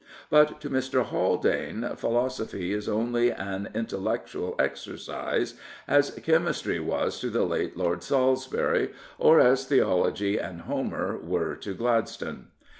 But to Mr. Haldane philosophy is only an intellectual exercise, as chemistry was to the late Lord Salisbury, or as theology and Homer were to Gladstone.